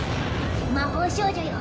「魔法少女よ